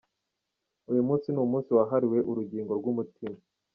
Uyu munsi ni umunsi wahariwe urugingo rw’umutima.